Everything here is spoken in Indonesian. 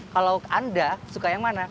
kalau anda suka yang mana